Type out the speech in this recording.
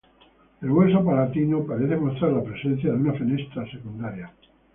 El hueso palatino parece mostrar la presencia de una fenestra secundaria.